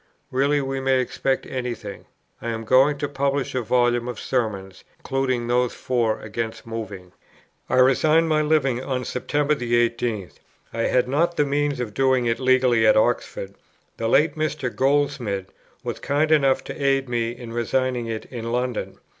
Really we may expect any thing. I am going to publish a Volume of Sermons, including those Four against moving." I resigned my living on September the 18th. I had not the means of doing it legally at Oxford. The late Mr. Goldsmid was kind enough to aid me in resigning it in London.